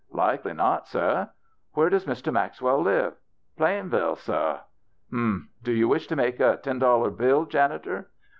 " Likely not, seh." " Where does Mr. Maxwell live ?"" Plain ville, seh." "Humph! Do you wish to make a ten dollar bill, janitor